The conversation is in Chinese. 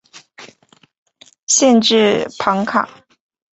县治庞卡。